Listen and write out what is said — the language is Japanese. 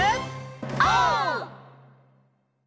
オー！